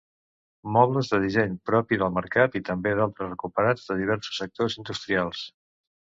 Mobles de disseny propi, del mercat i també d’altres recuperats de diversos sectors industrials.